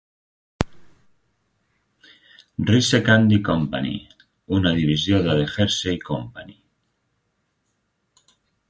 Reese Candy Company, una divisió de The Hershey Company.